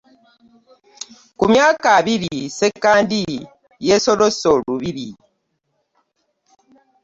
Kummyaka abiri Sssekandi yesolossa olubiri.